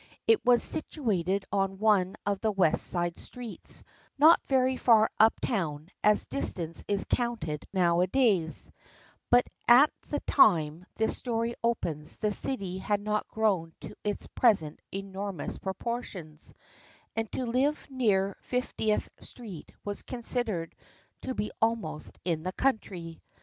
It was situated on one of the West side streets, not very far up town as distance is counted nowadays, but at the time this story opens the city had not grown to its present enormous proportions, and to live near Fiftieth Street was considered to be almost in the country.